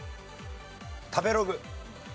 食べログ。